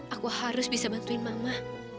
aku harus bisa bantuin mama